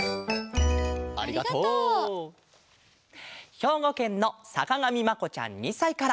ひょうごけんのさかがみまこちゃん２さいから。